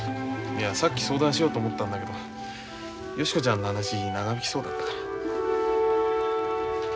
いやさっき相談しようと思ったんだけどヨシ子ちゃんの話長引きそうだったから。